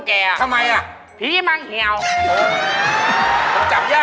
ไม่ชอบพี่เท้าเยียม